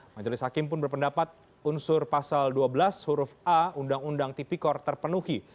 majelis hakim pun berpendapat unsur pasal dua belas huruf a undang undang tipikor terpenuhi